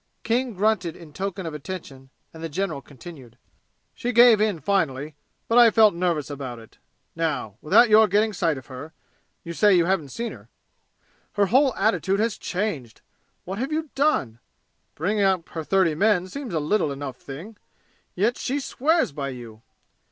King grunted in token of attention, and the general continued. "She gave in finally, but I felt nervous about it. Now, without your getting sight of her you say you haven't seen her? her whole attitude has changed! What have you done? Bringing up her thirty men seems a little enough thing. Yet, she swears by you!